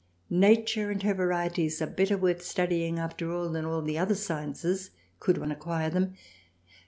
Nature and her Varieties are better worth Studying after all than all other Sciences could one acquire them.